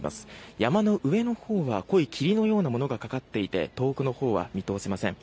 山の上のほうは濃い霧のようなものがかかっていて遠くのほうは見通せません。